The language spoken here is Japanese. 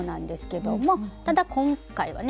ただ今回はね